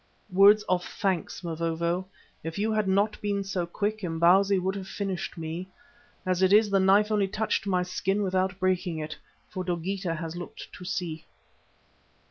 "Words of thanks, Mavovo. If you had not been so quick, Imbozwi would have finished me. As it is, the knife only touched my skin without breaking it, for Dogeetah has looked to see."